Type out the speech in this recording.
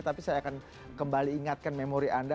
tapi saya akan kembali ingatkan memori anda